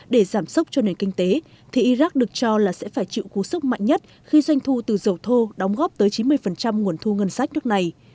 để giảm sốc cho nền kinh tế thì iraq được cho là sẽ phải chịu cú sốc mạnh nhất khi doanh thu từ dầu thô đóng góp tới chín mươi nguồn thu ngân sách nước này